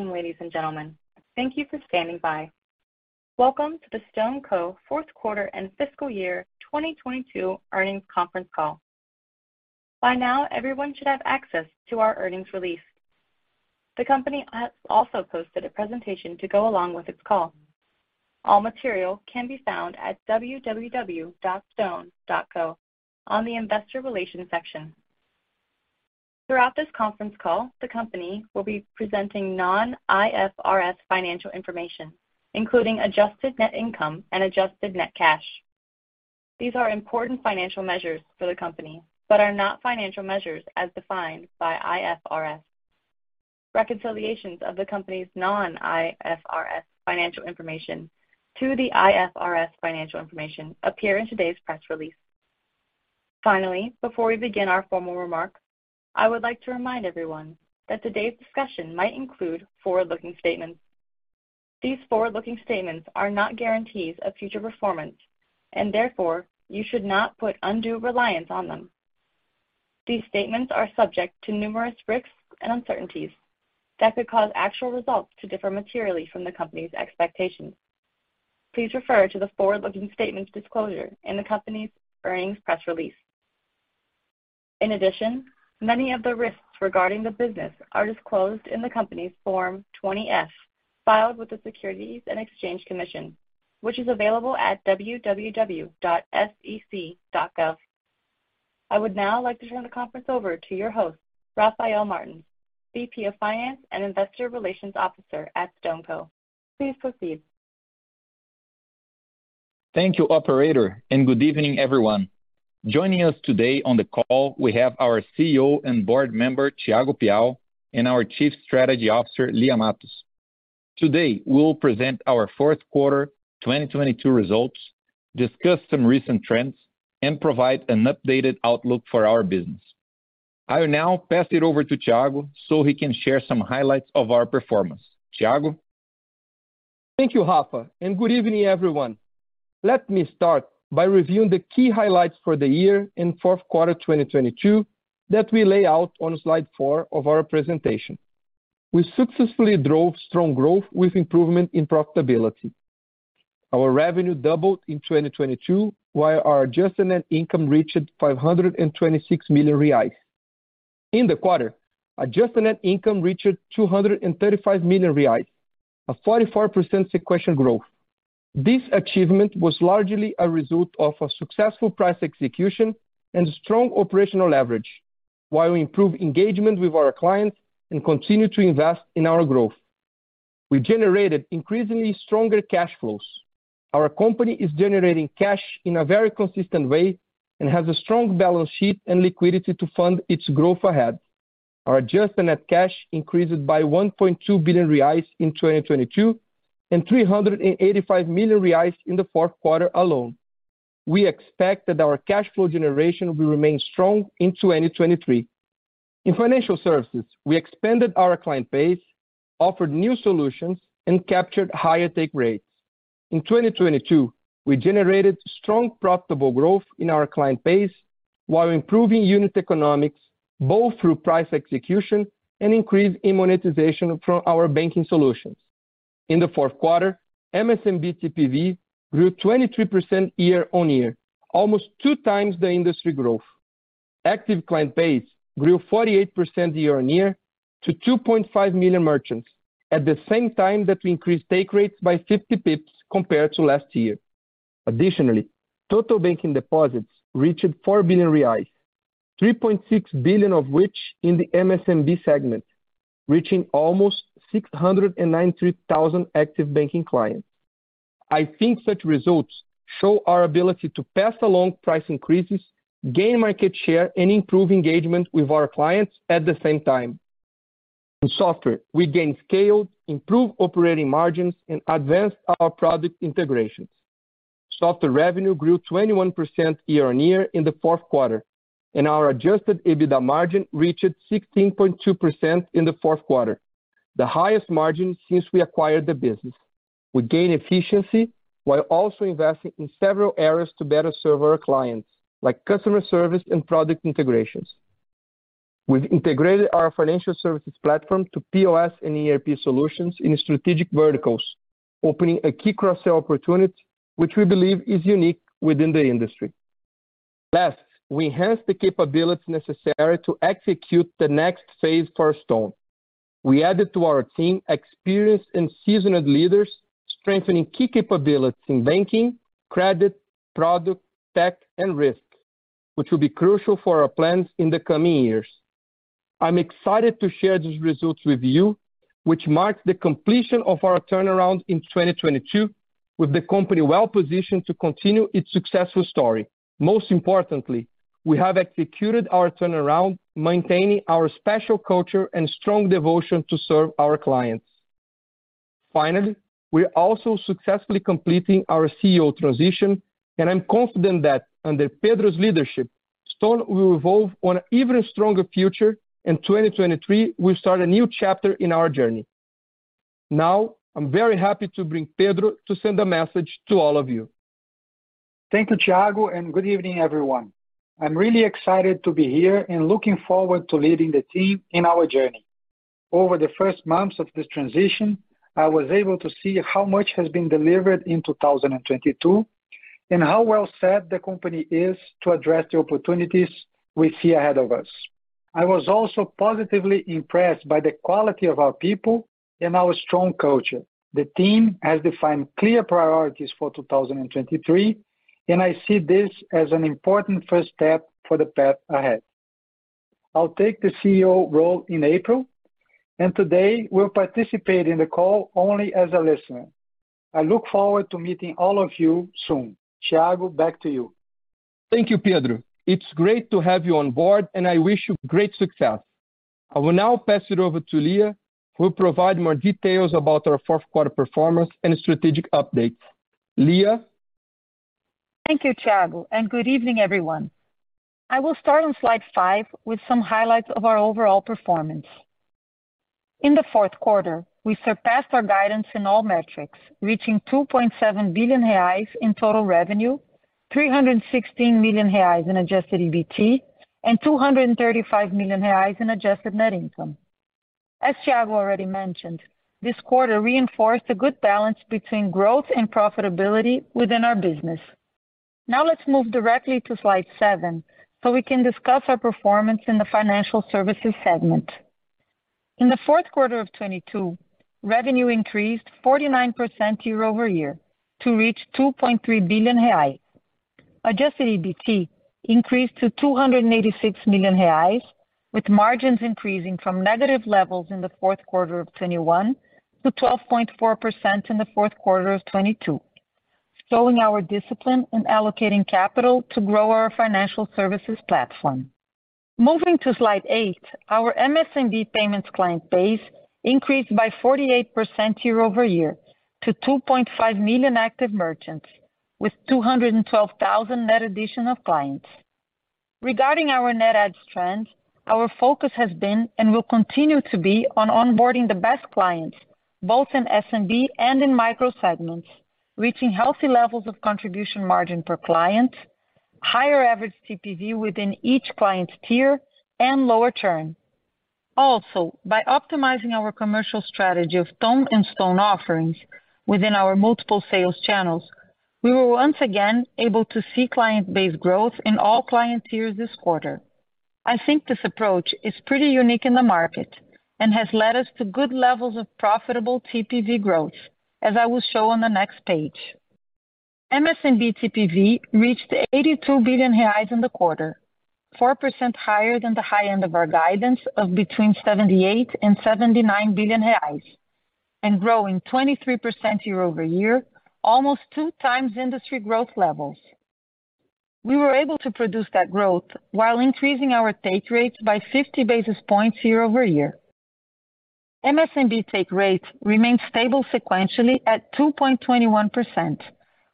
Good evening, ladies and gentlemen. Thank you for standing by. Welcome to the StoneCo fourth quarter and fiscal year 2022 earnings conference call. By now, everyone should have access to our earnings release. The company has also posted a presentation to go along with its call. All material can be found at www.stone.co on the investor relations section. Throughout this conference call, the company will be presenting non-IFRS financial information, including Adjusted Net Income and Adjusted Net Cash. These are important financial measures for the company, but are not financial measures as defined by IFRS. Reconciliations of the company's non-IFRS financial information to the IFRS financial information appear in today's press release. Finally, before we begin our formal remarks, I would like to remind everyone that today's discussion might include forward-looking statements. These forward-looking statements are not guarantees of future performance, and therefore you should not put undue reliance on them. These statements are subject to numerous risks and uncertainties that could cause actual results to differ materially from the company's expectations. Please refer to the forward-looking statements disclosure in the company's earnings press release. In addition, many of the risks regarding the business are disclosed in the company's Form 20-F, filed with the Securities and Exchange Commission, which is available at www.sec.gov. I would now like to turn the conference over to your host, Rafael Martins, VP of Finance and Investor Relations Officer at StoneCo. Please proceed. Thank you, operator, and good evening, everyone. Joining us today on the call, we have our CEO and Board Member, Thiago Piau, and our Chief Strategy Officer, Lia Matos. Today, we will present our fourth quarter 2022 results, discuss some recent trends, and provide an updated outlook for our business. I will now pass it over to Thiago so he can share some highlights of our performance. Thiago? Thank you, Rafa, and good evening, everyone. Let me start by reviewing the key highlights for the year in fourth quarter 2022 that we lay out on slide 4 of our presentation. We successfully drove strong growth with improvement in profitability. Our revenue doubled in 2022, while our Adjusted Net Income reached 526 million reais. In the quarter, Adjusted Net Income reached 235 million reais, a 44% sequential growth. This achievement was largely a result of a successful price execution and strong operational leverage, while we improve engagement with our clients and continue to invest in our growth. We generated increasingly stronger cash flows. Our company is generating cash in a very consistent way and has a strong balance sheet and liquidity to fund its growth ahead. Our Adjusted Net Cash increased by 1.2 billion reais in 2022 and 385 million reais in the fourth quarter alone. We expect that our cash flow generation will remain strong in 2023. In Financial Services, we expanded our client base, offered new solutions, and captured higher take rates. In 2022, we generated strong profitable growth in our client base while improving unit economics, both through price execution and increase in monetization from our banking solutions. In the fourth quarter, MSMB TPV grew 23% year-over-year, almost 2 times the industry growth. Active client base grew 48% year-over-year to 2.5 million merchants, at the same time that we increased take rates by 50 pips compared to last year. Additionally, total banking deposits reached 4 billion reais, 3.6 billion of which in the MSMB segment, reaching almost 693,000 active banking clients. I think such results show our ability to pass along price increases, gain market share, and improve engagement with our clients at the same time. In software, we gained scale, improved operating margins, and advanced our product integrations. Software revenue grew 21% year-over-year in the fourth quarter, and our adjusted EBITDA margin reached 16.2% in the fourth quarter, the highest margin since we acquired the business. We gained efficiency while also investing in several areas to better serve our clients, like customer service and product integrations. We've integrated our Financial Services platform to POS and ERP solutions in strategic verticals, opening a key cross-sell opportunity, which we believe is unique within the industry. We enhanced the capabilities necessary to execute the next phase for Stone. We added to our team experienced and seasoned leaders, strengthening key capabilities in Banking, Credit, Product, Tech, and Risk, which will be crucial for our plans in the coming years. I'm excited to share these results with you, which marks the completion of our turnaround in 2022, with the company well-positioned to continue its successful story. We have executed our turnaround, maintaining our special culture and strong devotion to serve our clients. We're also successfully completing our CEO transition, and I'm confident that under Pedro's leadership, Stone will evolve on an even stronger future. In 2023, we start a new chapter in our journey. I'm very happy to bring Pedro to send a message to all of you Thank you, Thiago. Good evening everyone. I'm really excited to be here and looking forward to leading the team in our journey. Over the first months of this transition, I was able to see how much has been delivered in 2022, and how well set the company is to address the opportunities we see ahead of us. I was also positively impressed by the quality of our people and our strong culture. The team has defined clear priorities for 2023, and I see this as an important first step for the path ahead. I'll take the CEO role in April, and today will participate in the call only as a listener. I look forward to meeting all of you soon. Thiago, back to you. Thank you, Pedro. It's great to have you on board, and I wish you great success. I will now pass it over to Lia, who will provide more details about our fourth quarter performance and strategic updates. Lia? Thank you, Thiago. Good evening, everyone. I will start on slide 5 with some highlights of our overall performance. In the fourth quarter, we surpassed our guidance in all metrics, reaching 2.7 billion reais in total revenue, 316 million reais in Adjusted EBT, and 235 million reais in Adjusted Net Income. As Thiago already mentioned, this quarter reinforced a good balance between growth and profitability within our business. Let's move directly to slide 7. We can discuss our performance in the Financial Services segment. In the fourth quarter of 2022, revenue increased 49% year-over-year to reach 2.3 billion reais. Adjusted EBT increased to 286 million reais, with margins increasing from negative levels in the fourth quarter of 2021 to 12.4% in the fourth quarter of 2022, showing our discipline in allocating capital to grow our Financial Services platform. Moving to slide 8, our MSMB payments client base increased by 48% year-over-year to 2.5 million active merchants, with 212,000 net addition of clients. Regarding our net adds trends, our focus has been and will continue to be on onboarding the best clients, both in SMB and in micro segments, reaching healthy levels of contribution margin per client, higher average TPV within each client tier, and lower churn. Also, by optimizing our commercial strategy of Ton and Stone offerings within our multiple sales channels, we were once again able to see client base growth in all client tiers this quarter. I think this approach is pretty unique in the market and has led us to good levels of profitable TPV growth, as I will show on the next page. MSMB TPV reached 82 billion reais in the quarter, 4% higher than the high end of our guidance of between 78 billion and 79 billion reais, and growing 23% year-over-year, almost 2 times industry growth levels. We were able to produce that growth while increasing our take rate by 50 basis points year-over-year. MSMB take rate remained stable sequentially at 2.21%,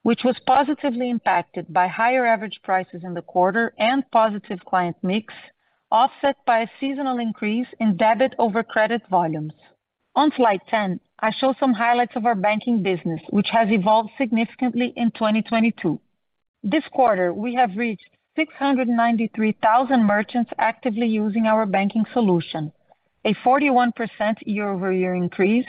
which was positively impacted by higher average prices in the quarter and positive client mix, offset by a seasonal increase in debit over credit volumes. On slide 10, I show some highlights of our Banking Business, which has evolved significantly in 2022. This quarter, we have reached 693,000 merchants actively using our banking solution, a 41% year-over-year increase,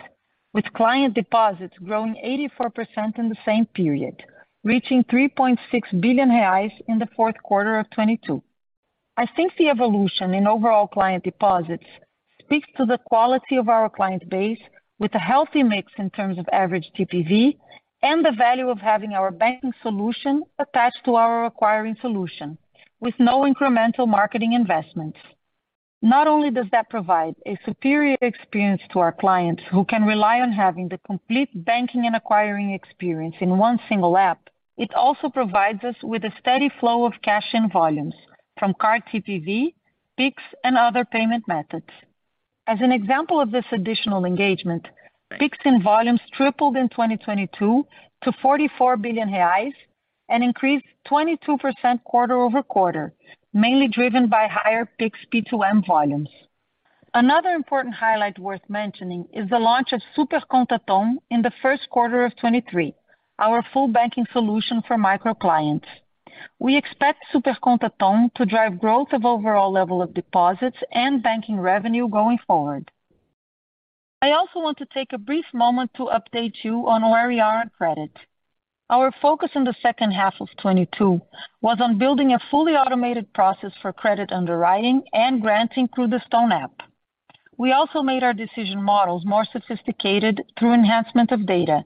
with client deposits growing 84% in the same period, reaching 3.6 billion reais in the fourth quarter of 22. I think the evolution in overall client deposits speaks to the quality of our client base with a healthy mix in terms of average TPV and the value of having our banking solution attached to our acquiring solution with no incremental marketing investments. Not only does that provide a superior experience to our clients who can rely on having the complete banking and acquiring experience in one single app, it also provides us with a steady flow of cash in volumes from card TPV, Pix and other payment methods. As an example of this additional engagement, Pix in volumes tripled in 2022 to 44 billion reais and increased 22% quarter-over-quarter, mainly driven by higher Pix P2M volumes. Another important highlight worth mentioning is the launch of Super Conta Ton in the first quarter of 2023, our full banking solution for micro clients. We expect Super Conta Ton to drive growth of overall level of deposits and Banking Revenue going forward. I also want to take a brief moment to update you on where we are on credit. Our focus in the second half of 2022 was on building a fully automated process for credit underwriting and granting through the Stone app. We also made our decision models more sophisticated through enhancement of data,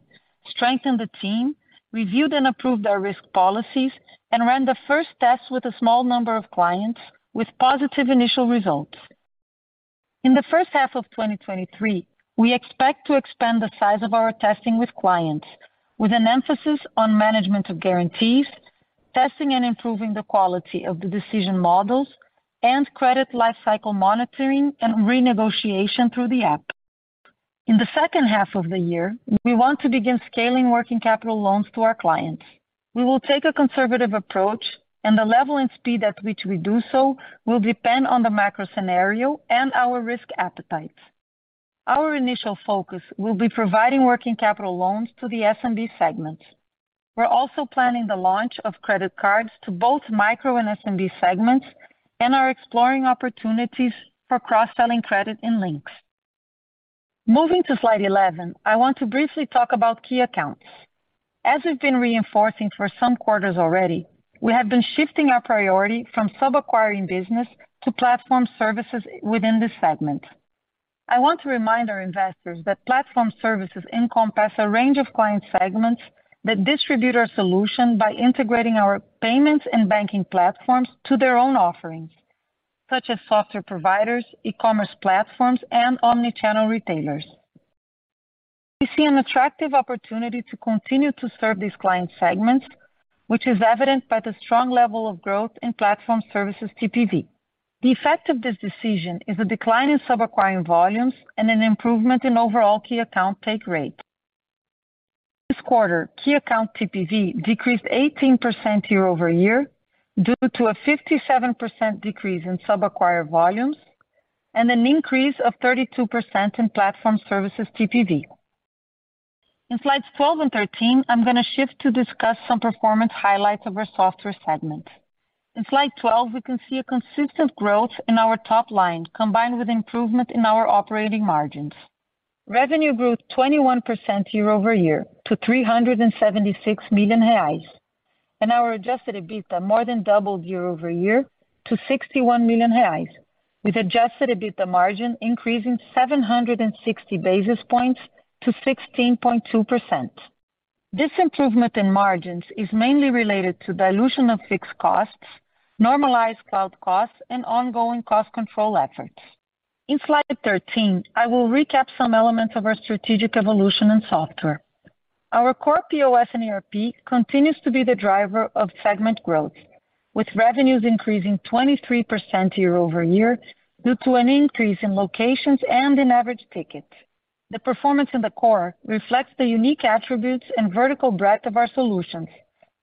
strengthened the team, reviewed and approved our risk policies, and ran the first test with a small number of clients with positive initial results. In the first half of 2023, we expect to expand the size of our testing with clients with an emphasis on management of guarantees, testing and improving the quality of the decision models, and credit lifecycle monitoring and renegotiation through the app. In the second half of the year, we want to begin scaling working capital loans to our clients. We will take a conservative approach, and the level and speed at which we do so will depend on the macro scenario and our risk appetite. Our initial focus will be providing working capital loans to the SMB segments. We're also planning the launch of credit cards to both micro and SMB segments and are exploring opportunities for cross-selling credit in Linx. Moving to slide 11, I want to briefly talk about Key Accounts. As we've been reinforcing for some quarters already, we have been shifting our priority from sub-acquiring business to Platform Services within this segment. I want to remind our investors that Platform Services encompass a range of client segments that distribute our solution by integrating our payments and banking platforms to their own offerings, such as software providers, e-commerce platforms, and omni-channel retailers. We see an attractive opportunity to continue to serve these client segments, which is evident by the strong level of growth in Platform Services TPV. The effect of this decision is a decline in sub-acquire volumes and an improvement in overall key account take rate. This quarter, key account TPV decreased 18% year-over-year due to a 57% decrease in sub-acquire volumes and an increase of 32% in Platform Services TPV. In slides 12 and 13, I'm gonna shift to discuss some performance highlights of our Software segment. In slide 12, we can see a consistent growth in our top line combined with improvement in our operating margins. Revenue grew 21% year-over-year to 376 million reais. Our Adjusted EBITDA more than doubled year-over-year to 61 million reais, with Adjusted EBITDA margin increasing 760 basis points to 16.2%. This improvement in margins is mainly related to dilution of fixed costs, normalized cloud costs, and ongoing cost control efforts. In slide 13, I will recap some elements of our strategic evolution and software. Our core POS and ERP continues to be the driver of segment growth, with revenues increasing 23% year-over-year due to an increase in locations and in average ticket. The performance in the core reflects the unique attributes and vertical breadth of our solutions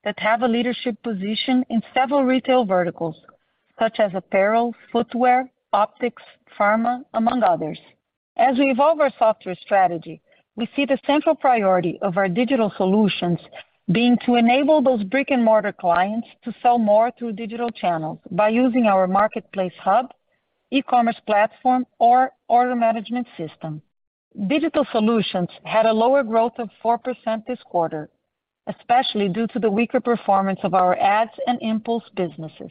that have a leadership position in several retail verticals, such as apparel, footwear, optics, pharma, among others. As we evolve our software strategy, we see the central priority of our digital solutions being to enable those brick-and-mortar clients to sell more through digital channels by using our marketplace hub, e-commerce platform or order management system. Digital solutions had a lower growth of 4% this quarter, especially due to the weaker performance of our ads and impulse businesses.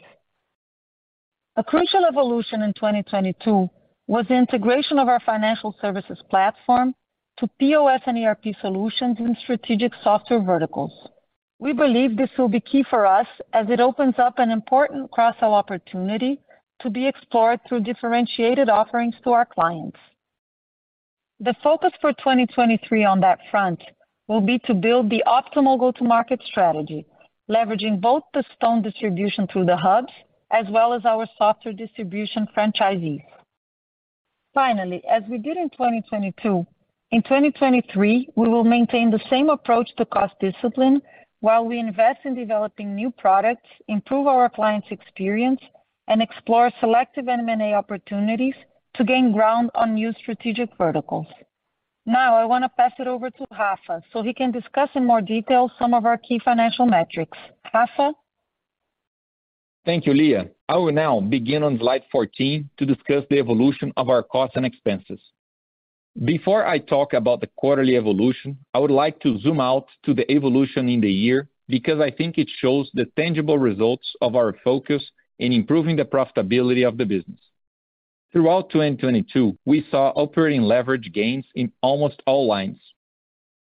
A crucial evolution in 2022 was the integration of our Financial Services platform to POS and ERP solutions in strategic software verticals. We believe this will be key for us as it opens up an important cross-sell opportunity to be explored through differentiated offerings to our clients. The focus for 2023 on that front will be to build the optimal go-to-market strategy, leveraging both the Stone distribution through the hubs as well as our software distribution franchisees. Finally, as we did in 2022, in 2023, we will maintain the same approach to cost discipline while we invest in developing new products, improve our clients' experience, and explore selective M&A opportunities to gain ground on new strategic verticals. I wanna pass it over to Rafa so he can discuss in more detail some of our key financial metrics. Rafa? Thank you, Lia. I will now begin on slide 14 to discuss the evolution of our costs and expenses. Before I talk about the quarterly evolution, I would like to zoom out to the evolution in the year because I think it shows the tangible results of our focus in improving the profitability of the business. Throughout 2022, we saw operating leverage gains in almost all lines.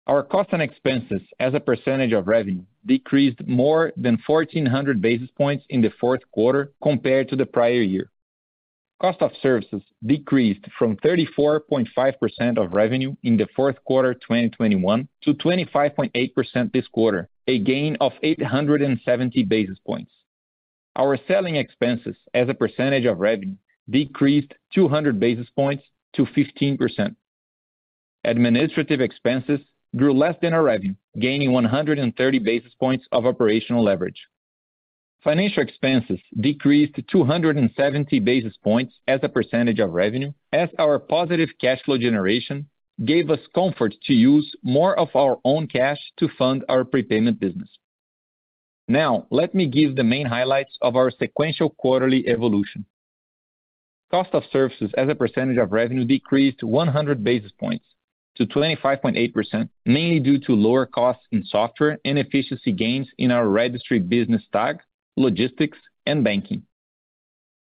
Our cost and expenses as a percentage of revenue decreased more than 1,400 basis points in the fourth quarter compared to the prior year. Cost of services decreased from 34.5% of revenue in the fourth quarter 2021 to 25.8% this quarter, a gain of 870 basis points. Our selling expenses as a percentage of revenue decreased 200 basis points to 15%. Administrative expenses grew less than our revenue, gaining 130 basis points of operational leverage. Financial expenses decreased to 270 basis points as a percentage of revenue as our positive cash flow generation gave us comfort to use more of our own cash to fund our prepayment business. Let me give the main highlights of our sequential quarterly evolution. Cost of services as a percentage of revenue decreased 100 basis points to 25.8%, mainly due to lower costs in software and efficiency gains in our registry business TAG, Logistics, and Banking.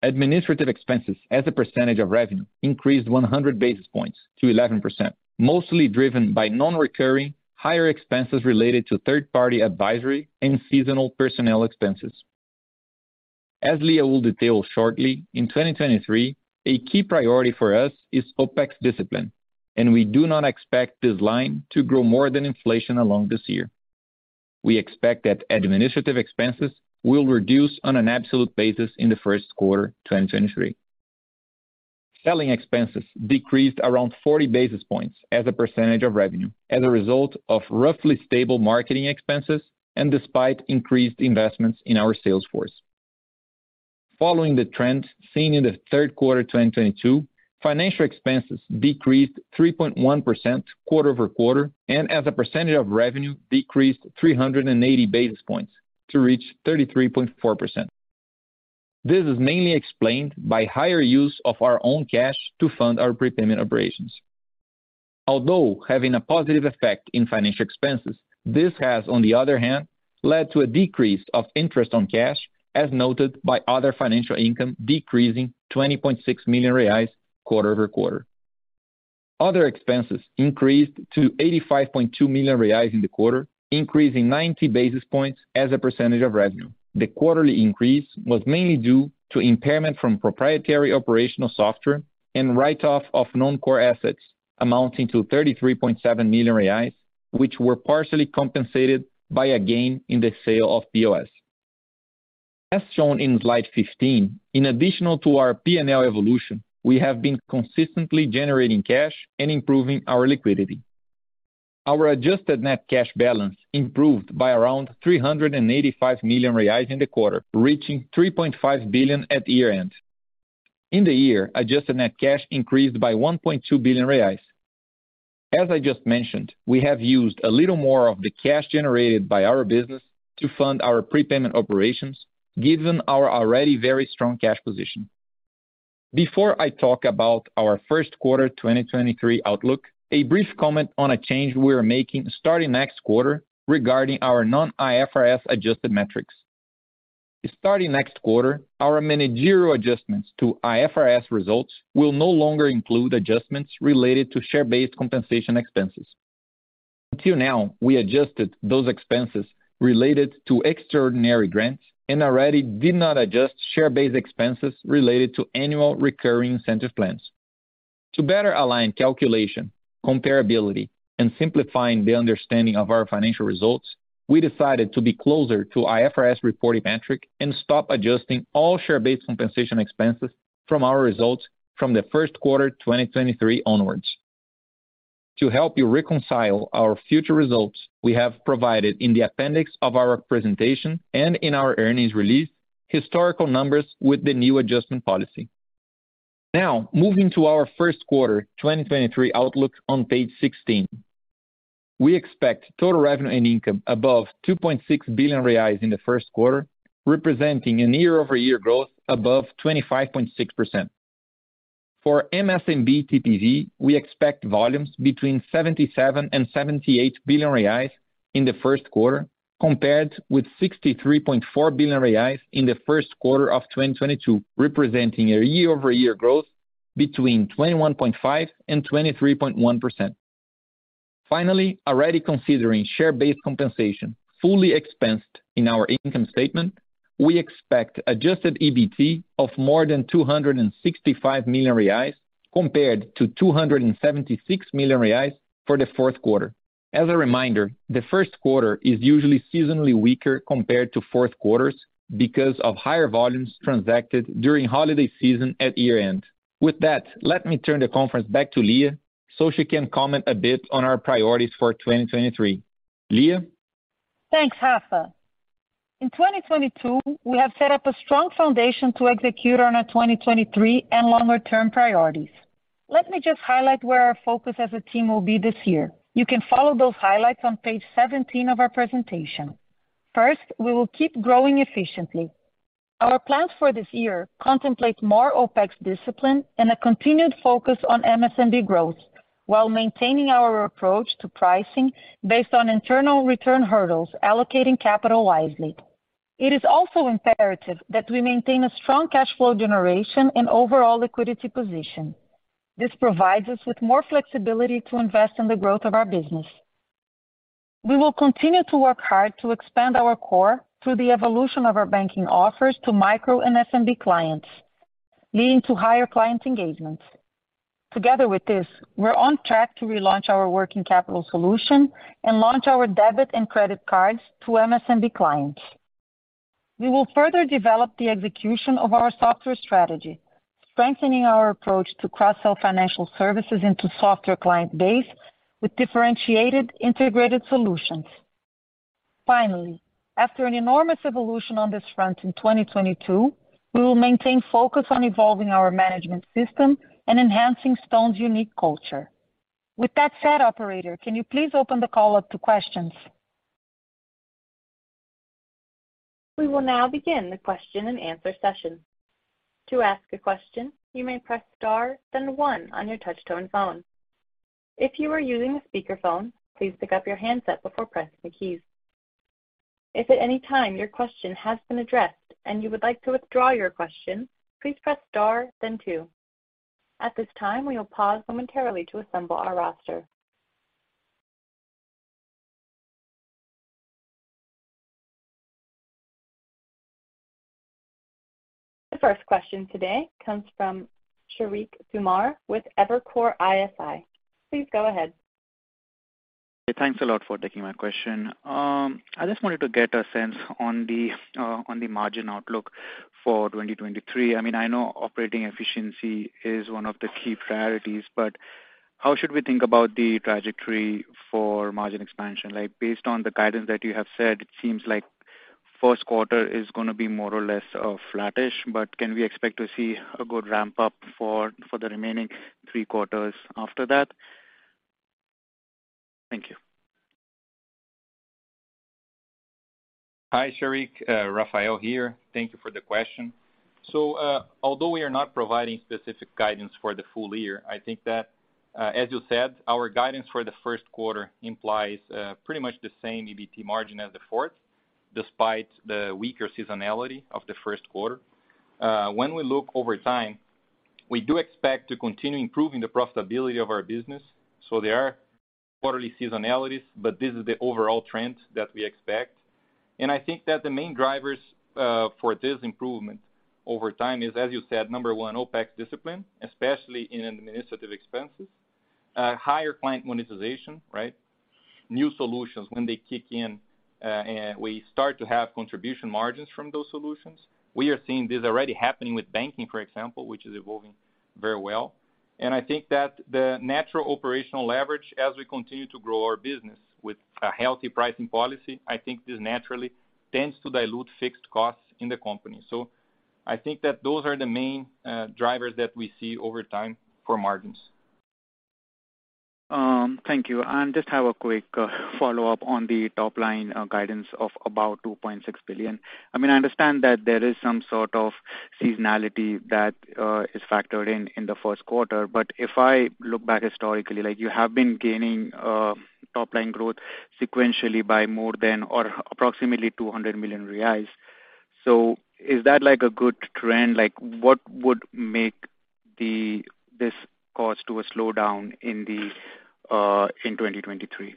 Administrative expenses as a percentage of revenue increased 100 basis points to 11%, mostly driven by non-recurring higher expenses related to third-party advisory and seasonal personnel expenses. As Lia will detail shortly, in 2023, a key priority for us is OPEX discipline. We do not expect this line to grow more than inflation along this year. We expect that administrative expenses will reduce on an absolute basis in the first quarter 2023. Selling expenses decreased around 40 basis points as a percentage of revenue as a result of roughly stable marketing expenses despite increased investments in our sales force. Following the trends seen in the third quarter 2022, financial expenses decreased 3.1% quarter-over-quarter, as a percentage of revenue decreased 380 basis points to reach 33.4%. This is mainly explained by higher use of our own cash to fund our prepayment operations. Although having a positive effect in financial expenses, this has, on the other hand, led to a decrease of interest on cash, as noted by other financial income decreasing R$20.6 million quarter-over-quarter. Other expenses increased to R$85.2 million in the quarter, increasing 90 basis points as a percentage of revenue. The quarterly increase was mainly due to impairment from proprietary operational software and write-off of non-core assets amounting to R$33.7 million, which were partially compensated by a gain in the sale of POS. As shown in slide 15, in addition to our P&L evolution, we have been consistently generating cash and improving our liquidity. Our Adjusted Net Cash balance improved by around R$385 million in the quarter, reaching R$3.5 billion at year-end. In the year, Adjusted Net Cash increased by 1.2 billion reais. As I just mentioned, we have used a little more of the cash generated by our business to fund our prepayment operations given our already very strong cash position. Before I talk about our first quarter 2023 outlook, a brief comment on a change we are making starting next quarter regarding our non-IFRS adjusted metrics. Starting next quarter, our managerial adjustments to IFRS results will no longer include adjustments related to share-based compensation expenses. Until now, we adjusted those expenses related to extraordinary grants and already did not adjust share-based expenses related to annual recurring incentive plans. To better align calculation, comparability, and simplifying the understanding of our financial results, we decided to be closer to IFRS reporting metric and stop adjusting all share-based compensation expenses from our results from the first quarter 2023 onwards. To help you reconcile our future results, we have provided in the appendix of our presentation and in our earnings release historical numbers with the new adjustment policy. Moving to our first quarter 2023 outlook on page 16. We expect total revenue and income above 2.6 billion reais in the first quarter, representing a year-over-year growth above 25.6%. For MSMB TPV, we expect volumes between 77 billion and 78 billion reais in the first quarter, compared with 63.4 billion reais in the first quarter of 2022, representing a year-over-year growth between 21.5% and 23.1%. Already considering share-based compensation fully expensed in our income statement, we expect Adjusted EBT of more than 265 million reais compared to 276 million reais for the fourth quarter. As a reminder, the first quarter is usually seasonally weaker compared to fourth quarters because of higher volumes transacted during holiday season at year end. With that, let me turn the conference back to Lia so she can comment a bit on our priorities for 2023. Lia? Thanks, Rafa. In 2022, we have set up a strong foundation to execute on our 2023 and longer-term priorities. Let me just highlight where our focus as a team will be this year. You can follow those highlights on page 17 of our presentation. We will keep growing efficiently. Our plans for this year contemplate more OpEx discipline and a continued focus on MSMB growth while maintaining our approach to pricing based on internal return hurdles, allocating capital wisely. It is also imperative that we maintain a strong cash flow generation and overall liquidity position. This provides us with more flexibility to invest in the growth of our business. We will continue to work hard to expand our core through the evolution of our banking offers to micro and SMB clients, leading to higher client engagement. Together with this, we're on track to relaunch our working capital solution and launch our debit and credit cards to MSMB clients. We will further develop the execution of our software strategy, strengthening our approach to cross-sell Financial Services into software client base with differentiated integrated solutions. After an enormous evolution on this front in 2022, we will maintain focus on evolving our management system and enhancing Stone's unique culture. With that said, operator, can you please open the call up to questions? We will now begin the question and answer session. To ask a question, you may press star then one on your touch-tone phone. If you are using a speakerphone, please pick up your handset before pressing the keys. If at any time your question has been addressed and you would like to withdraw your question, please press star then two. At this time, we will pause momentarily to assemble our roster. The first question today comes from Sheriq Sumar with Evercore ISI. Please go ahead. Hey, thanks a lot for taking my question. I just wanted to get a sense on the margin outlook for 2023. I mean, I know operating efficiency is one of the key priorities, but How should we think about the trajectory for margin expansion? Like based on the guidance that you have said, it seems like first quarter is going to be more or less flattish, can we expect to see a good ramp up for the remaining three quarters after that? Thank you. Hi, Sheriq. Rafael here. Thank you for the question. Although we are not providing specific guidance for the full year, I think that, as you said, our guidance for the first quarter implies pretty much the same EBT margin as the fourth, despite the weaker seasonality of the first quarter. When we look over time, we do expect to continue improving the profitability of our business, so there are quarterly seasonalities, but this is the overall trend that we expect. I think that the main drivers for this improvement over time is, as you said, number 1, OPEX discipline, especially in administrative expenses, higher client monetization, right? New solutions when they kick in, and we start to have contribution margins from those solutions. We are seeing this already happening with banking, for example, which is evolving very well. I think that the natural operational leverage as we continue to grow our business with a healthy pricing policy, I think this naturally tends to dilute fixed costs in the company. I think that those are the main drivers that we see over time for margins. Thank you. Just have a quick follow-up on the top line guidance of about 2.6 billion. I mean, I understand that there is some sort of seasonality that is factored in the first quarter, but if I look back historically, like you have been gaining top line growth sequentially by more than or approximately 200 million reais. Is that like a good trend? Like what would make this cause to a slowdown in the in 2023?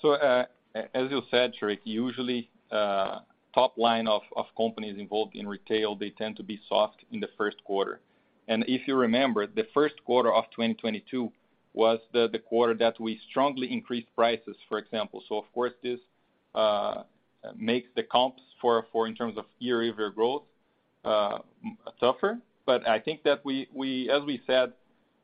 So, as you said, Sheriq, usually, top line of companies involved in retail, they tend to be soft in the first quarter. If you remember, the first quarter of 2022 was the quarter that we strongly increased prices, for example. Of course, this makes the comps for in terms of year-over-year growth suffer. I think that we, as we said,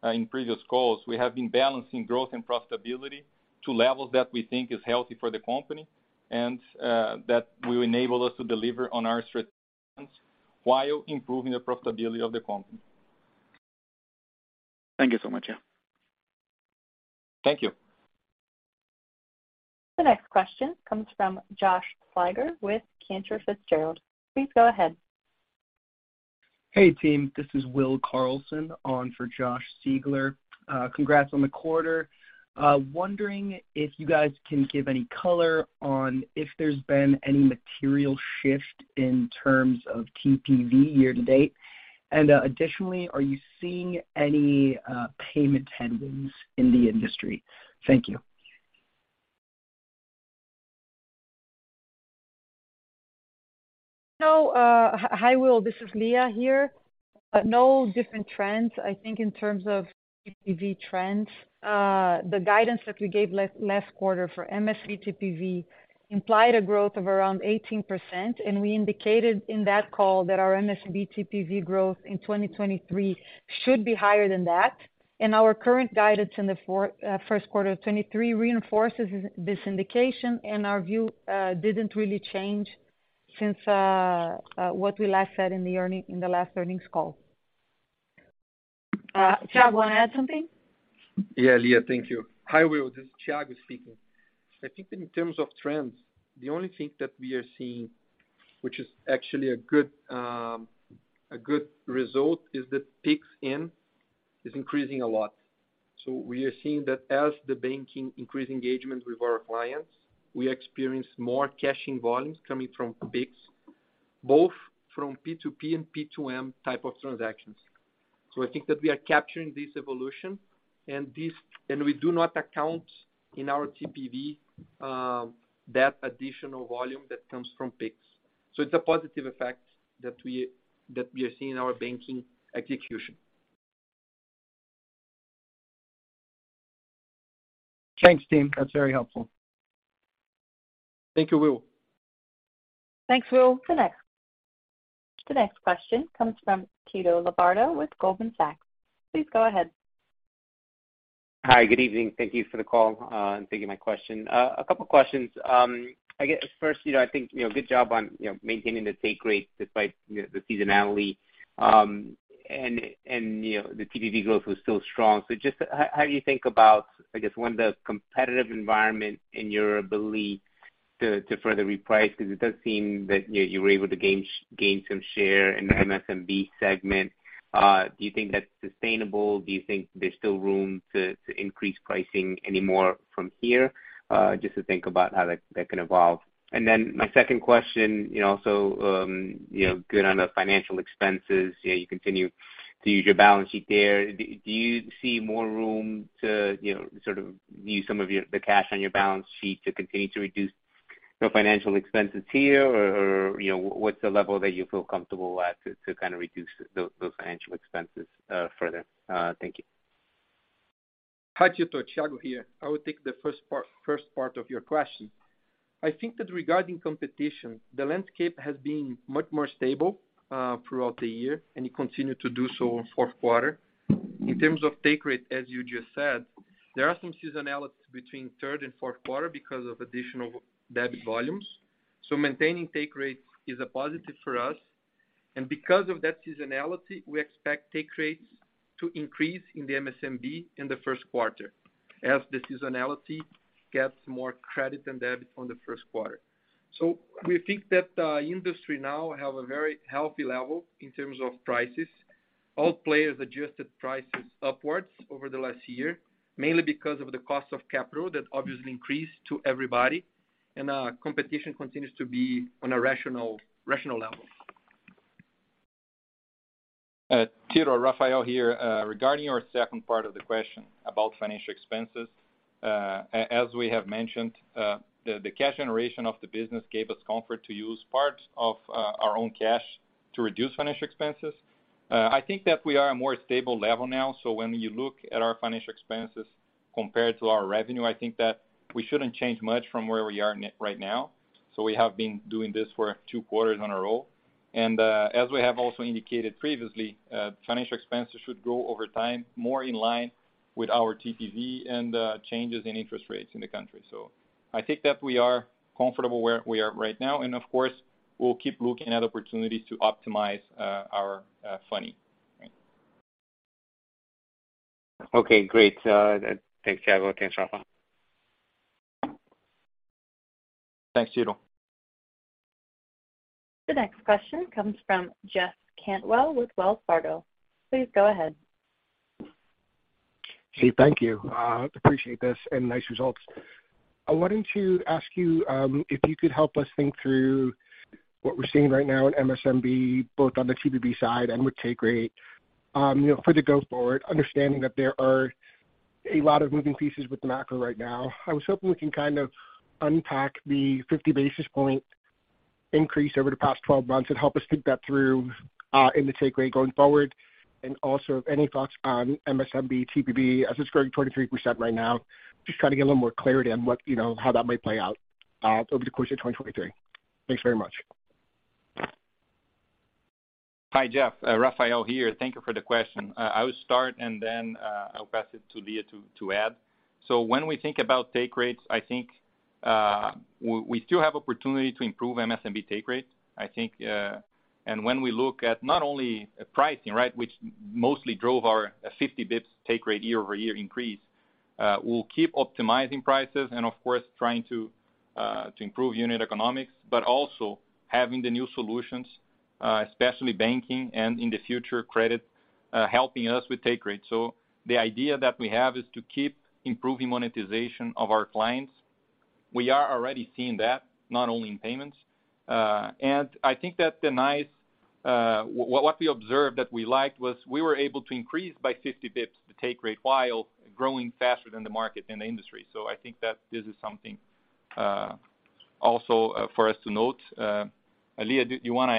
in previous calls, we have been balancing growth and profitability to levels that we think is healthy for the company, and that will enable us to deliver on our strategies while improving the profitability of the company. Thank you so much. Yeah. Thank you. The next question comes from Josh Siegler with Cantor Fitzgerald. Please go ahead. Hey, team. This is Will Carlson on for Josh Siegler. Congrats on the quarter. Wondering if you guys can give any color on if there's been any material shift in terms of TPV year to date. Additionally, are you seeing any payment headwinds in the industry? Thank you. No. Hi, Will, this is Lia here. No different trends. I think in terms of TPV trends, the guidance that we gave last quarter for MSMB TPV implied a growth of around 18%, and we indicated in that call that our MSMB TPV growth in 2023 should be higher than that. Our current guidance in the first quarter of 2023 reinforces this indication, and our view didn't really change since what we last said in the last earnings call. Thiago, wanna add something? Yeah, Lia. Thank you. Hi, Will. This is Thiago speaking. I think in terms of trends, the only thing that we are seeing, which is actually a good, a good result, is that Pix in is increasing a lot. We are seeing that as the banking increase engagement with our clients, we experience more cash-in volumes coming from Pix, both from P2P and P2M type of transactions. I think that we are capturing this evolution and this and we do not account in our TPV, that additional volume that comes from Pix. It's a positive effect that we are seeing in our banking execution. Thanks, team. That's very helpful. Thank you, Will. Thanks, Will. The next question comes from Tito Labarta with Goldman Sachs. Please go ahead. Hi, good evening. Thank you for the call, and taking my question. A couple questions. I guess first, you know, I think, you know, good job on, you know, maintaining the take rate despite, you know, the seasonality. You know, the TPV growth was still strong. Just how you think about, I guess, one, the competitive environment and your ability to further reprice, 'cause it does seem that, you know, you were able to gain some share in the MSMB segment. Do you think that's sustainable? Do you think there's still room to increase pricing any more from here? Just to think about how that can evolve. My second question, you know, good on the financial expenses. You know, you continue to use your balance sheet there. Do you see more room to, you know, sort of use some of your the cash on your balance sheet to continue to reduce your financial expenses here? Or, you know, what's the level that you feel comfortable at to kind of reduce those financial expenses further? Thank you. Hi Tito, Thiago here. I will take the first part of your question. I think that regarding competition, the landscape has been much more stable throughout the year, and it continued to do so in 4th quarter. In terms of take rate, as you just said, there are some seasonality between 3rd and 4th quarter because of additional debit volumes. Maintaining take rates is a positive for us. Because of that seasonality, we expect take rates to increase in the MSMB in the 1st quarter, as the seasonality gets more credit than debit on the 1st quarter. We think that industry now have a very healthy level in terms of prices. All players adjusted prices upwards over the last year, mainly because of the cost of capital that obviously increased to everybody, and competition continues to be on a rational level. Tito, Rafael here. Regarding your second part of the question about financial expenses, as we have mentioned, the cash generation of the business gave us comfort to use parts of our own cash to reduce financial expenses. I think that we are a more stable level now. When you look at our financial expenses compared to our revenue, I think that we shouldn't change much from where we are right now. We have been doing this for two quarters in a row. As we have also indicated previously, financial expenses should grow over time, more in line with our TPV and changes in interest rates in the country. I think that we are comfortable where we are right now. Of course, we'll keep looking at opportunities to optimize our funding. Okay, great. Thanks Thiago, thanks Rafael. Thanks, Tito. The next question comes from Jeff Cantwell with Wells Fargo. Please go ahead. Hey, thank you. Appreciate this and nice results. I wanted to ask you if you could help us think through what we're seeing right now in MSMB, both on the TPV side and with take rate. You know, for the go forward, understanding that there are a lot of moving pieces with the macro right now, I was hoping we can kind of unpack the 50 basis point increase over the past 12 months and help us think that through in the take rate going forward. Any thoughts on MSMB TPV as it's growing 23% right now. Just trying to get a little more clarity on what, you know, how that might play out over the course of 2023. Thanks very much. Hi, Jeff. Rafael here. Thank you for the question. I will start and then I'll pass it to Lia to add. When we think about take rates, I think we still have opportunity to improve MSMB take rate, I think. When we look at not only pricing, right, which mostly drove our 50 BPS take rate year-over-year increase, we'll keep optimizing prices and of course, trying to improve unit economics, but also having the new solutions, especially banking and in the future credit, helping us with take rate. The idea that we have is to keep improving monetization of our clients. We are already seeing that, not only in payments. I think that what we observed that we liked was we were able to increase by 50 BPS the take rate while growing faster than the market in the industry. I think that this is something also for us to note. Lia, do you wanna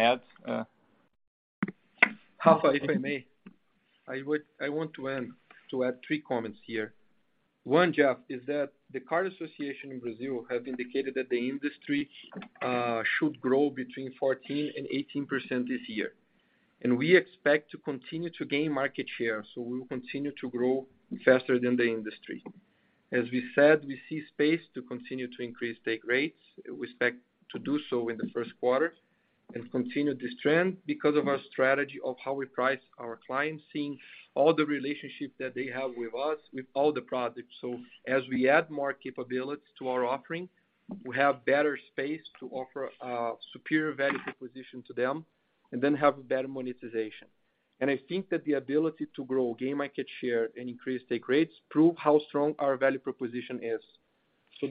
add? Rafael, if I may. I want to add three comments here. One, Jeff, is that the card association in Brazil have indicated that the industry should grow between 14% and 18% this year. We expect to continue to gain market share, so we will continue to grow faster than the industry. As we said, we see space to continue to increase take rates. We expect to do so in the first quarter and continue this trend because of our strategy of how we price our clients, seeing all the relationships that they have with us, with all the products. As we add more capabilities to our offering, we have better space to offer superior value proposition to them and then have better monetization. I think that the ability to grow, gain market share and increase take rates prove how strong our value proposition is.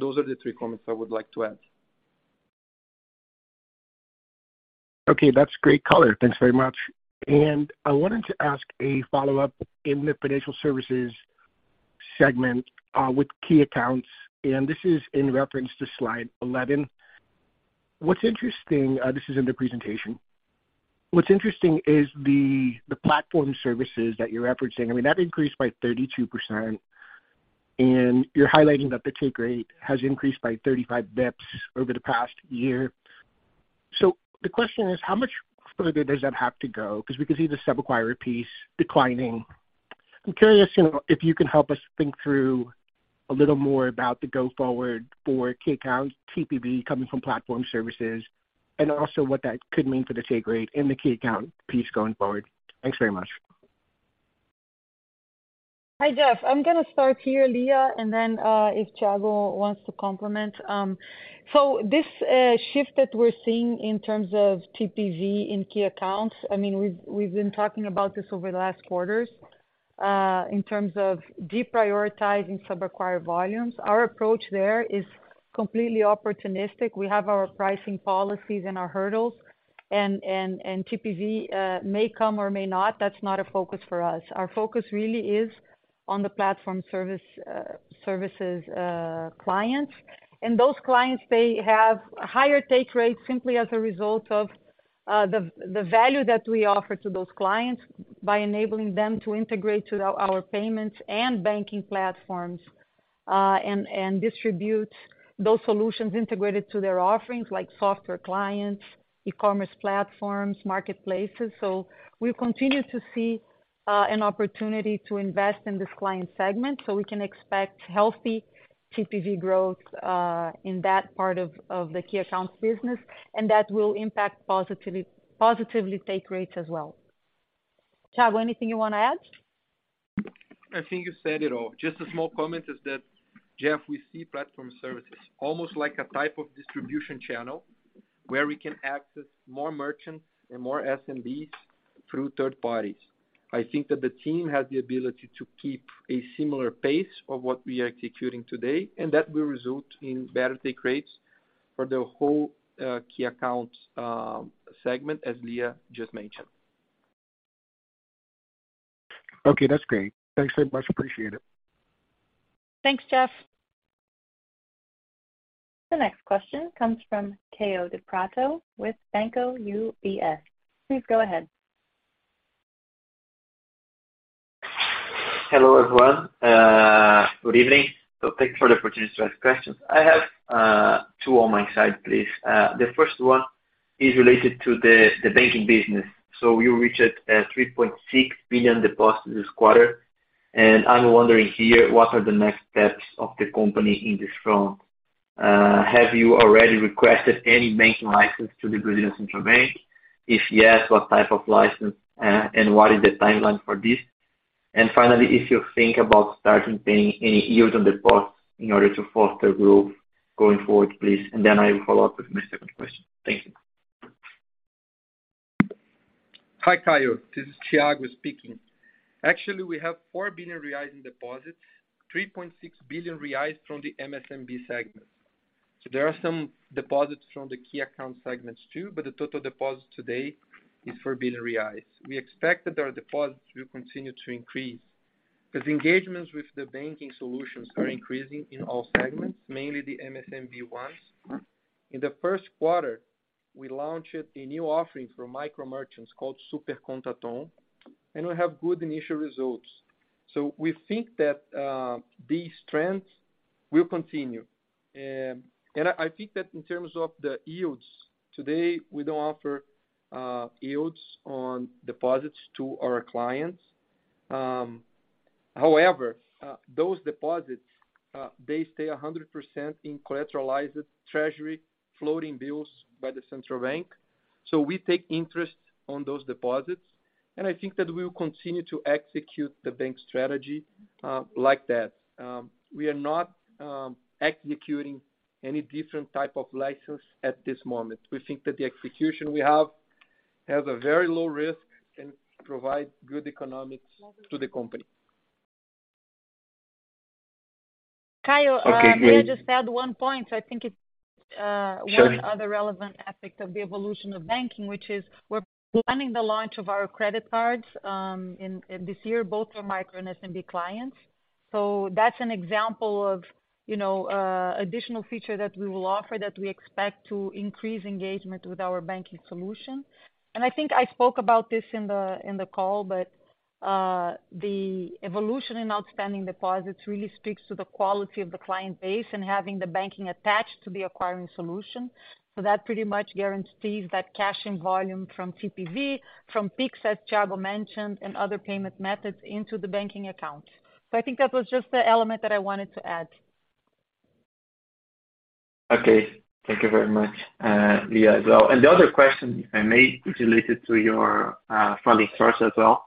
Those are the three comments I would like to add. Okay, that's great color. Thanks very much. I wanted to ask a follow-up in the Financial Services segment with Key Accounts, and this is in reference to slide 11. This is in the presentation. What's interesting is the Platform Services that you're referencing. I mean, that increased by 32%, and you're highlighting that the take rate has increased by 35 BPS over the past year. The question is, how much further does that have to go? Because we can see the sub-acquirer piece declining. I'm curious, you know, if you can help us think through a little more about the go forward for Key Accounts, TPV coming from Platform Services, and also what that could mean for the take rate and the key account piece going forward. Thanks very much. Hi, Jeff. I'm gonna start here, Lia, and then, if Thiago wants to complement. This shift that we're seeing in terms of TPV in Key Accounts, I mean, we've been talking about this over the last quarters, in terms of deprioritizing sub-acquirer volumes. Our approach there is completely opportunistic. We have our pricing policies and our hurdles and TPV may come or may not. That's not a focus for us. Our focus really is on the Platform Services clients. Those clients, they have higher take rates simply as a result of The value that we offer to those clients by enabling them to integrate to our payments and banking platforms, and distribute those solutions integrated to their offerings like software clients, e-commerce platforms, marketplaces. We continue to see an opportunity to invest in this client segment, so we can expect healthy TPV growth in that part of the Key Accounts business, and that will impact positively take rates as well. Thiago, anything you wanna add? I think you said it all. Just a small comment is that, Jeff, we see Platform Services almost like a type of distribution channel where we can access more merchants and more SMBs through third parties. I think that the team has the ability to keep a similar pace of what we are executing today, and that will result in better take rates for the whole Key Accounts segment, as Lia just mentioned. Okay, that's great. Thanks so much. Appreciate it. Thanks, Jeff. The next question comes from Kaio Prato with UBS. Please go ahead. Hello, everyone. good evening. Thanks for the opportunity to ask questions. I have two on my side, please. The first one is related to the Banking Business. You reached 3.6 billion deposit this quarter, and I'm wondering here, what are the next steps of the company in this front? Have you already requested any banking license to the Brazilian Central Bank? If yes, what type of license, and what is the timeline for this? Finally, if you think about starting paying any yields on deposits in order to foster growth going forward, please. Then I will follow up with my second question. Thank you. Hi, Kaio. This is Thiago speaking. Actually, we have 4 billion reais in deposits, 3.6 billion reais from the MSMB segment. There are some deposits from the key account segments too, but the total deposit today is 4 billion reais. We expect that our deposits will continue to increase 'cause engagements with the banking solutions are increasing in all segments, mainly the MSMB ones. In the first quarter, we launched a new offering for micro merchants called Super Conta Ton, and we have good initial results. We think that these trends will continue. And I think that in terms of the yields, today, we don't offer yields on deposits to our clients. However, those deposits, they stay 100% in collateralized treasury floating bills by the Central Bank. We take interest on those deposits, and I think that we will continue to execute the bank strategy like that. We are not executing any different type of license at this moment. We think that the execution we have has a very low risk and provide good economics to the company. Kaio. Okay, great.... may I just add one point? I think it's. Sure one other relevant aspect of the evolution of banking, which is we're planning the launch of our credit cards, in this year, both for micro and SMB clients. That's an example of, you know, additional feature that we will offer that we expect to increase engagement with our banking solution. I think I spoke about this in the call, but the evolution in outstanding deposits really speaks to the quality of the client base and having the banking attached to the acquiring solution. That pretty much guarantees that cash and volume from TPV, from Pix, as Thiago mentioned, and other payment methods into the banking account. I think that was just the element that I wanted to add. Okay. Thank you very much, Lia as well. The other question I made is related to your funding source as well.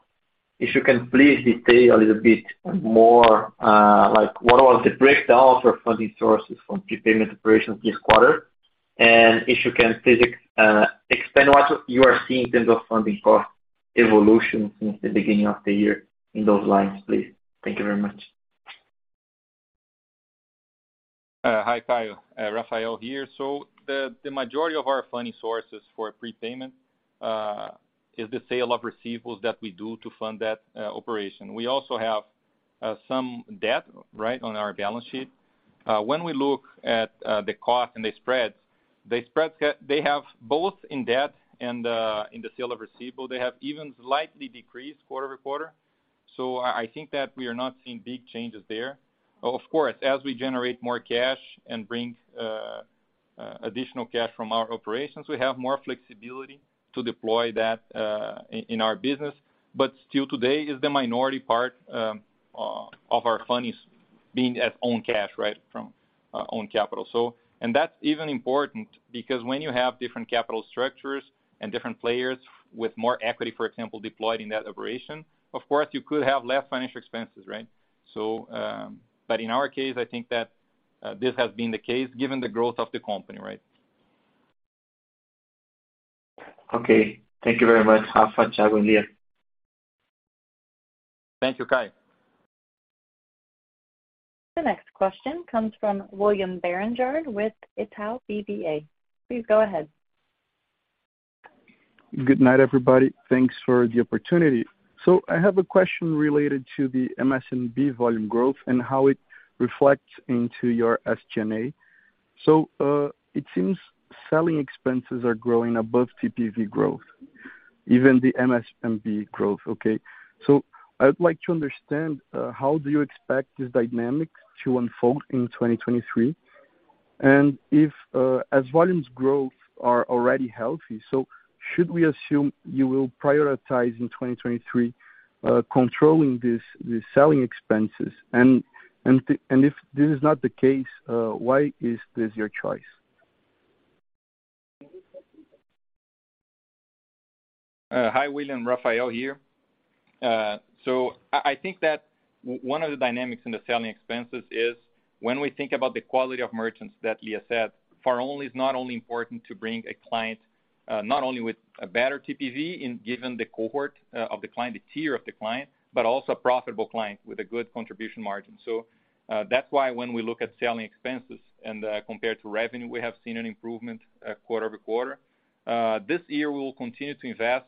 If you can please detail a little bit more, like what was the breakdown for funding sources from prepayment operations this quarter? If you can please expand what you are seeing in terms of funding cost evolution since the beginning of the year in those lines, please. Thank you very much. Hi, Caio. Rafael here. The majority of our funding sources for prepayment is the sale of receivables that we do to fund that operation. We also have some debt, right, on our balance sheet. When we look at the cost and the spreads, the spreads they have both in debt and in the sale of receivable, they have even slightly decreased quarter-over-quarter. I think that we are not seeing big changes there. Of course, as we generate more cash and bring additional cash from our operations, we have more flexibility to deploy that in our business. Still today is the minority part of our fund is being as own cash, right? From own capital. That's even important because when you have different capital structures and different players with more equity, for example, deployed in that operation, of course, you could have less financial expenses, right? In our case, I think that this has been the case given the growth of the company, right? Okay. Thank you very much, Rafael, Thiago and Lia. Thank you, Kaio. The next question comes from William Barranjard with Itaú BBA. Please go ahead. Good night, everybody. Thanks for the opportunity. I have a question related to the MSMB volume growth and how it reflects into your SG&A. It seems selling expenses are growing above TPV growth. Even the MSMB growth. Okay. I would like to understand how do you expect this dynamic to unfold in 2023? As volumes growth are already healthy, should we assume you will prioritize in 2023 controlling these selling expenses? If this is not the case, why is this your choice? Hi, William. Rafael here. I think that one of the dynamics in the selling expenses is when we think about the quality of merchants that Lia said, for only is not only important to bring a client, not only with a better TPV in given the cohort of the client, the tier of the client, but also a profitable client with a good contribution margin. That's why when we look at selling expenses and compared to revenue, we have seen an improvement quarter-over-quarter. This year we will continue to invest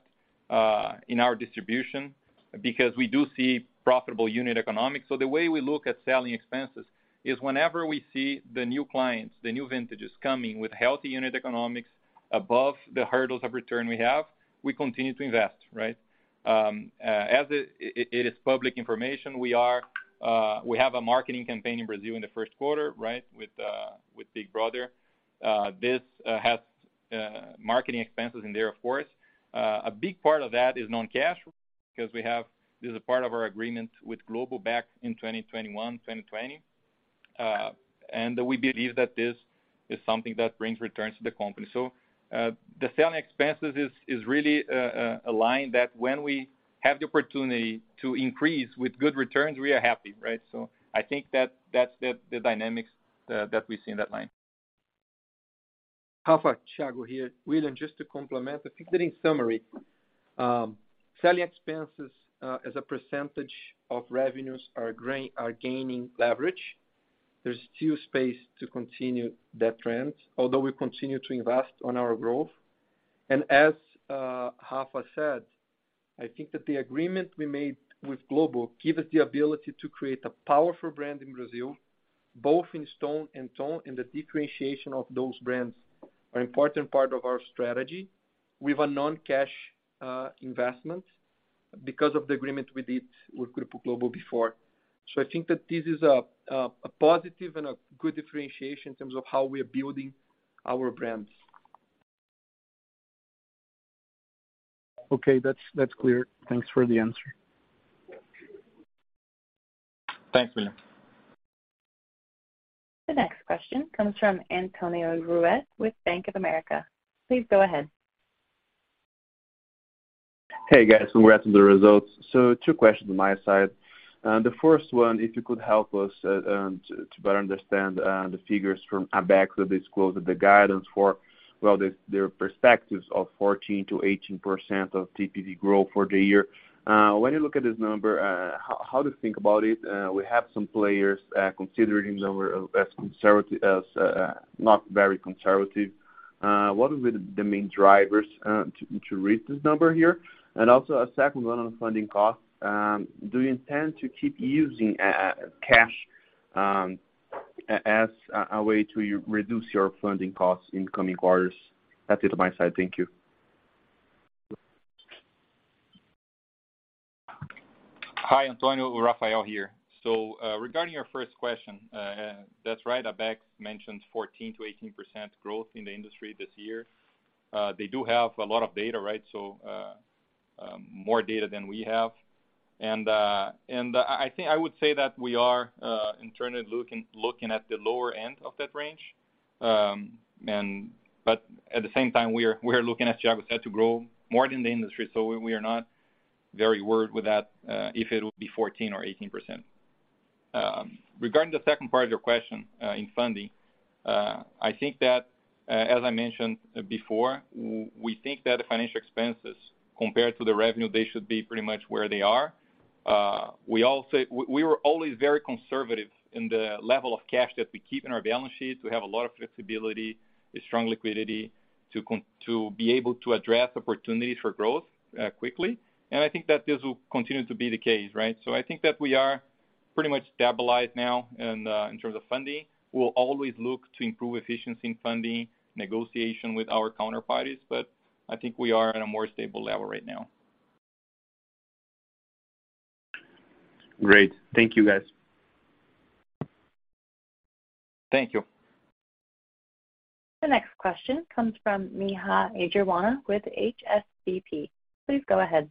in our distribution because we do see profitable unit economics. The way we look at selling expenses is whenever we see the new clients, the new vintages coming with healthy unit economics above the hurdles of return we have, we continue to invest, right? As it is public information, we have a marketing campaign in Brazil in the first quarter, right? With Big Brother. This has marketing expenses in there, of course. A big part of that is non-cash, because This is a part of our agreement with Globo back in 2021, 2020. We believe that this is something that brings returns to the company. The selling expenses is really a line that when we have the opportunity to increase with good returns, we are happy, right? I think that that's the dynamics that we see in that line. Rafa, Thiago here. William, just to complement, I think that in summary, selling expenses, as a percentage of revenues are gaining leverage. There's still space to continue that trend, although we continue to invest on our growth. As Rafa said, I think that the agreement we made with Globo give us the ability to create a powerful brand in Brazil, both in Stone and Ton, and the differentiation of those brands are important part of our strategy. We have a non-cash investment because of the agreement we did with Grupo Globo before. I think that this is a positive and a good differentiation in terms of how we are building our brands. Okay. That's clear. Thanks for the answer. Thanks, William. The next question comes from Mario Pierry with Bank of America. Please go ahead. Hey, guys. Congrats on the results. Two questions on my side. The first one, if you could help us to better understand the figures from ABECS that disclosed the guidance for their perspectives of 14%-18% of TPV growth for the year. When you look at this number, how to think about it? We have some players considering the number as not very conservative. What would be the main drivers to reach this number here? Also a second one on funding costs. Do you intend to keep using cash as a way to reduce your funding costs in coming quarters? That is my side. Thank you. Hi, Antonio. Rafael here. Regarding your first question, that's right. ABECS mentioned 14%-18% growth in the industry this year. They do have a lot of data, right? More data than we have. I would say that we are internally looking at the lower end of that range. At the same time we are looking, as Thiago said, to grow more than the industry. We are not very worried with that if it will be 14% or 18%. Regarding the second part of your question, in funding, I think that as I mentioned before, we think that the financial expenses compared to the revenue, they should be pretty much where they are. We also, we were always very conservative in the level of cash that we keep in our balance sheets. We have a lot of flexibility with strong liquidity to be able to address opportunities for growth quickly. I think that this will continue to be the case, right? I think that we are pretty much stabilized now in terms of funding. We'll always look to improve efficiency in funding, negotiation with our counterparties. I think we are at a more stable level right now. Great. Thank you, guys. Thank you. The next question comes from Neha Agarwala with HSBC. Please go ahead.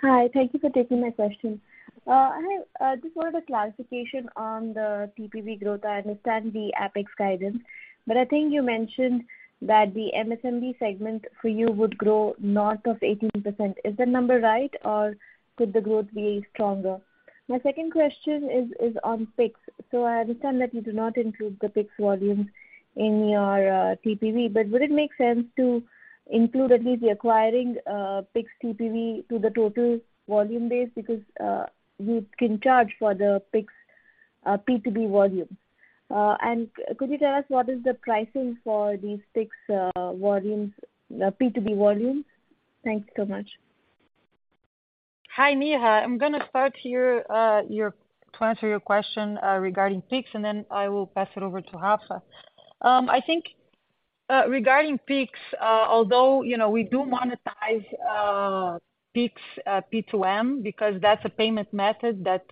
Hi. Thank you for taking my question. I just wanted a clarification on the TPV growth. I understand the Apex guidance, but I think you mentioned that the MSMB segment for you would grow north of 18%. Is that number right, or could the growth be stronger? My second question is on Pix. I understand that you do not include the Pix volumes in your TPV, but would it make sense to include at least the acquiring Pix TPV to the total volume base because you can charge for the Pix P2B volume? Could you tell us what is the pricing for these Pix volumes, P2B volumes? Thanks so much. Hi, Neha. I'm gonna start here to answer your question regarding Pix. Then I will pass it over to Rafa. I think regarding Pix, although, you know, we do monetize Pix P2M because that's a payment method that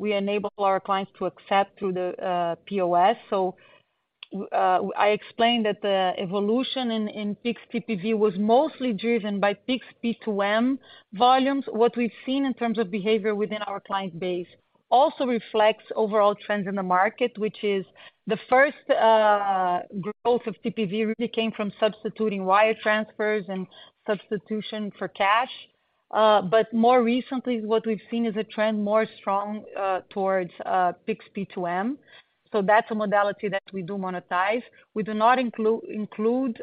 we enable our clients to accept through the POS. I explained that the evolution in Pix TPV was mostly driven by Pix P2M volumes. What we've seen in terms of behavior within our client base also reflects overall trends in the market, which is the first growth of TPV really came from substituting wire transfers and substitution for cash. More recently, what we've seen is a trend more strong towards Pix P2M. That's a modality that we do monetize. We do not include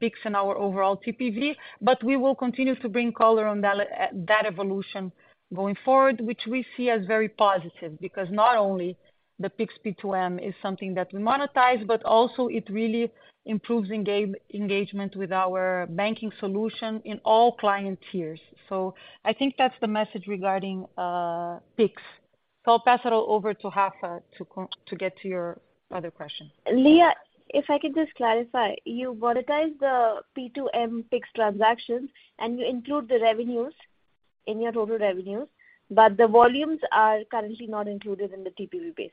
Pix in our overall TPV, but we will continue to bring color on that evolution going forward, which we see as very positive because not only the Pix P2M is something that we monetize, but also it really improves engagement with our banking solution in all client tiers. I think that's the message regarding Pix. I'll pass it over to Rafa to get to your other question. Lia, if I could just clarify, you monetize the P2M Pix transactions and you include the revenues in your total revenues, but the volumes are currently not included in the TPV base.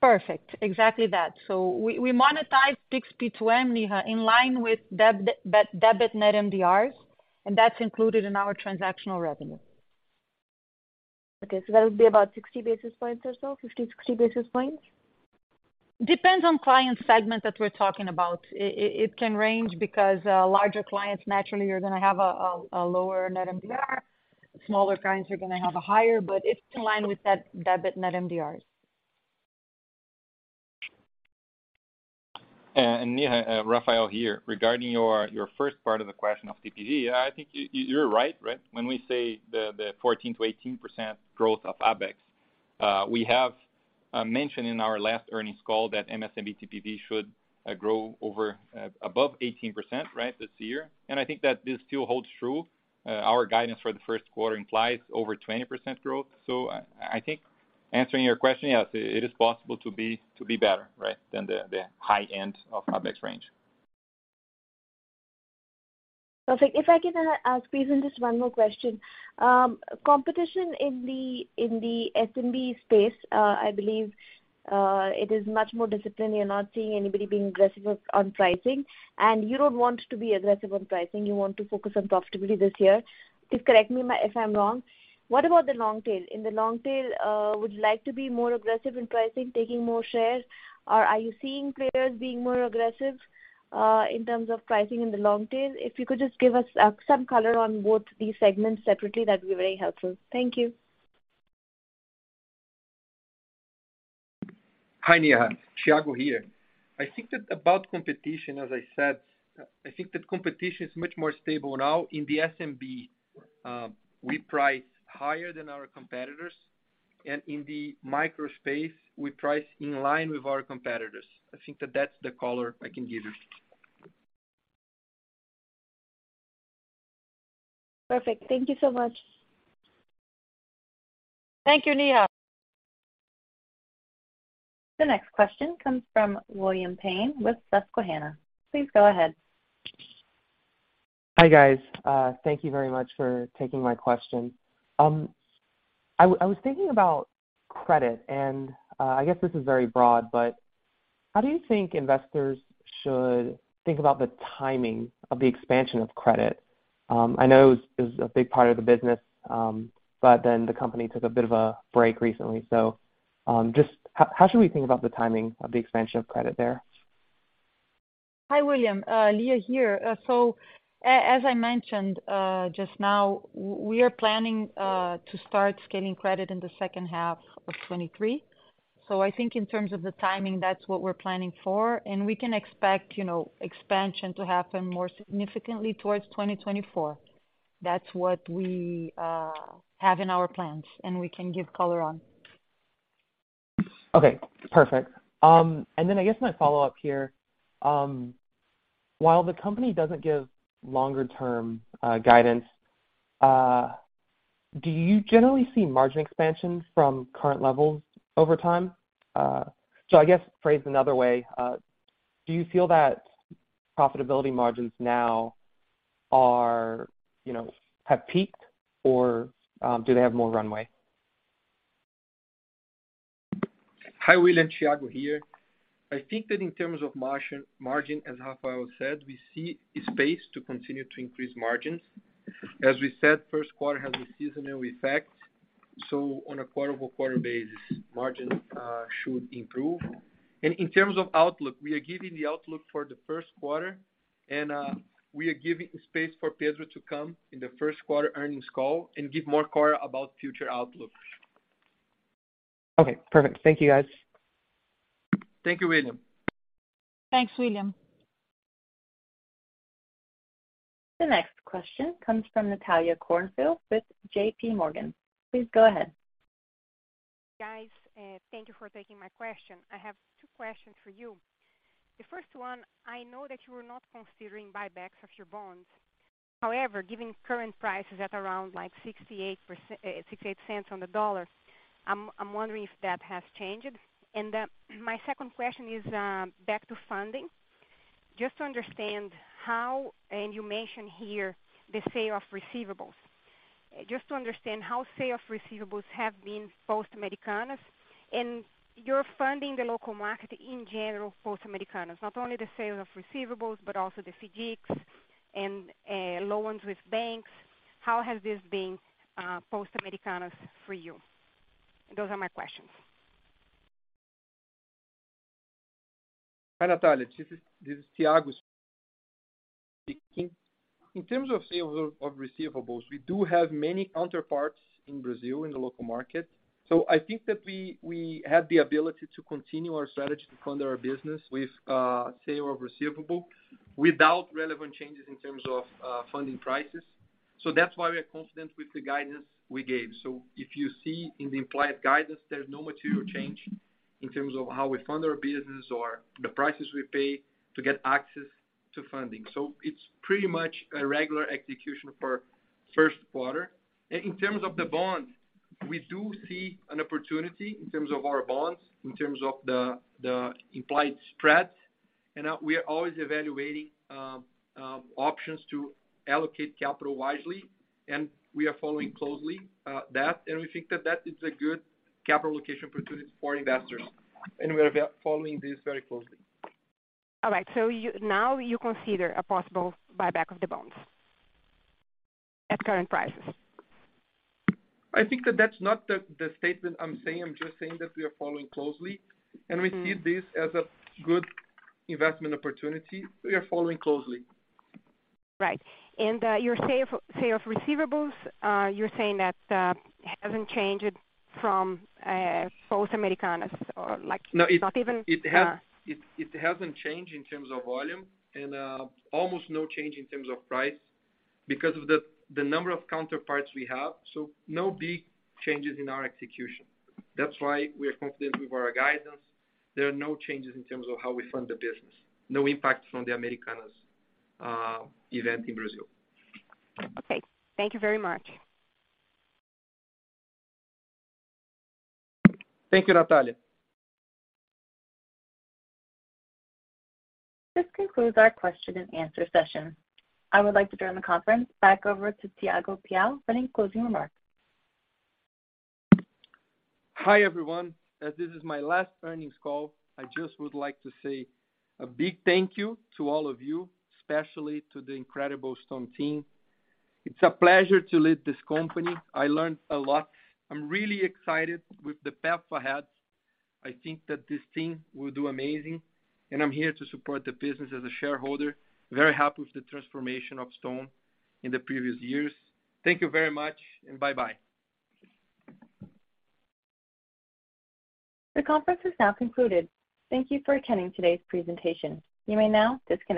Perfect. Exactly that. We monetize PIX P2M, Neha, in line with debit Net MDRs, and that's included in our transactional revenue. Okay, that would be about 60 basis points or so? 50, 60 basis points? Depends on client segment that we're talking about. It can range because larger clients naturally are gonna have a lower Net MDR. Smaller clients are gonna have a higher, but it's in line with that debit Net MDRs. Neha, Rafael here. Regarding your first part of the question of TPV, I think you're right? When we say the 14%-18% growth of ABECS, we have mentioned in our last earnings call that MSMB TPV should grow over above 18% this year. I think that this still holds true. Our guidance for the first quarter implies over 20% growth. I think answering your question, yes, it is possible to be better than the high end of ABECS range. Perfect. If I can ask Pedro just one more question? Competition in the SMB space, I believe, it is much more disciplined. You're not seeing anybody being aggressive on pricing, and you don't want to be aggressive on pricing. You want to focus on profitability this year. Please correct me if I'm wrong. What about the long tail? In the long tail, would you like to be more aggressive in pricing, taking more shares? Are you seeing players being more aggressive in terms of pricing in the long tail? If you could just give us some color on both these segments separately, that'd be very helpful. Thank you. Hi, Neha. Thiago here. I think that about competition, as I said, I think that competition is much more stable now. In the SMB, we price higher than our competitors, and in the micro space, we price in line with our competitors. I think that that's the color I can give you. Perfect. Thank you so much. Thank you, Neha. The next question comes from William Tang with Susquehanna. Please go ahead. Hi, guys. Thank you very much for taking my question. I was thinking about credit and, I guess this is very broad, but how do you think investors should think about the timing of the expansion of credit? I know it's a big part of the business, but the company took a bit of a break recently. Just how should we think about the timing of the expansion of credit there? Hi, William. Lia here. As I mentioned, just now, we are planning to start scaling credit in the second half of 2023. I think in terms of the timing, that's what we're planning for. We can expect, you know, expansion to happen more significantly towards 2024. That's what we have in our plans. We can give color on. Okay, perfect. I guess my follow-up here, while the company doesn't give longer-term guidance, do you generally see margin expansion from current levels over time? I guess phrased another way, do you feel that profitability margins now you know, have peaked or do they have more runway? Hi, William. Thiago here. I think that in terms of margin, as Rafael said, we see space to continue to increase margins. We said, first quarter has a seasonal effect, so on a quarter-over-quarter basis, margins should improve. In terms of outlook, we are giving the outlook for the first quarter and we are giving space for Pedro to come in the first quarter earnings call and give more color about future outlooks. Okay, perfect. Thank you, guys. Thank you, William. Thanks, William. The next question comes from Natalia Corfield with J.P. Morgan. Please go ahead. Guys, thank you for taking my question. I have two questions for you. The first one, I know that you are not considering buybacks of your bonds. However, given current prices at around $0.68 on the dollar, I'm wondering if that has changed. My second question is back to funding. Just to understand how, you mention here the sale of receivables. Just to understand how sale of receivables have been post Americanas and your funding the local market in general, post Americanas, not only the sale of receivables, but also the FIDCs and loans with banks. How has this been post Americanas for you? Those are my questions. Hi, Natalia. This is Thiago speaking. In terms of sales of receivables, we do have many counterparts in Brazil in the local market. I think that we have the ability to continue our strategy to fund our business with sale of receivables without relevant changes in terms of funding prices. That's why we are confident with the guidance we gave. If you see in the implied guidance, there's no material change in terms of how we fund our business or the prices we pay to get access to funding. It's pretty much a regular execution for first quarter. In terms of the bond, we do see an opportunity in terms of our bonds, in terms of the implied spreads. We are always evaluating options to allocate capital wisely. We are following closely that. We think that that is a good capital allocation opportunity for investors. We are following this very closely. All right. Now you consider a possible buyback of the bonds at current prices. I think that that's not the statement I'm saying. I'm just saying that we are following closely, and we see this as a good investment opportunity. We are following closely. Right. Your sale of receivables, you're saying that hasn't changed from post Americanas or like-? No. Not even. It hasn't changed in terms of volume and almost no change in terms of price because of the number of counterparts we have. No big changes in our execution. That's why we are confident with our guidance. There are no changes in terms of how we fund the business. No impact from the Americanas event in Brazil. Okay. Thank you very much. Thank you, Natalia. This concludes our question and answer session. I would like to turn the conference back over to Thiago Piau for any closing remarks. Hi, everyone. As this is my last earnings call, I just would like to say a big thank you to all of you, especially to the incredible Stone team. It's a pleasure to lead this company. I learned a lot. I'm really excited with the path ahead. I think that this team will do amazing, and I'm here to support the business as a shareholder. Very happy with the transformation of Stone in the previous years. Thank you very much and bye-bye. The conference is now concluded. Thank you for attending today's presentation. You may now disconnect.